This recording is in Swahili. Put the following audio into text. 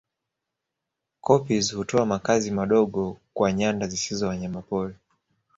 Koppies hutoa makazi madogo kwa nyanda zisizo wanyamapori